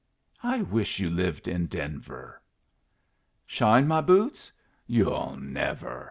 I wished you lived in Denver." "Shine my boots? Yu'll never!